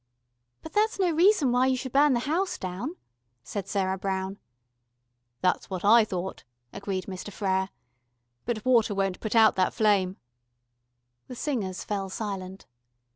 "But that's no reason why you should burn the house down," said Sarah Brown. "That's what I thought," agreed Mr. Frere. "But water won't put out that flame." The singers fell silent.